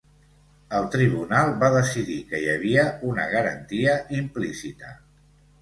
El tribunal va decidir que hi havia una garantia implícita.